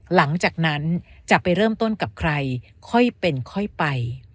หลังจากนั้นจะไปเริ่มต้นกับใครค่อยเป็นค่อยไป